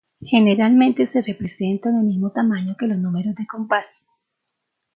Generalmente se representa en el mismo tamaño que los números de compás.